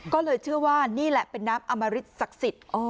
ก็เลยเชื่อว่านี่แหละเป็นน้ำอมริตศักดิ์สิทธิ์